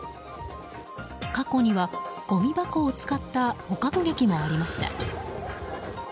過去には、ごみ箱を使った捕獲劇もありました。